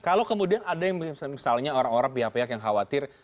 kalau kemudian ada yang misalnya orang orang pihak pihak yang khawatir